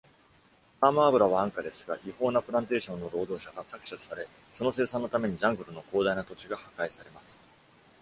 パーム油は安価ですが、違法なプランテーションの労働者が搾取され、その生産のためにジャングルの広大な土地が破壊されます。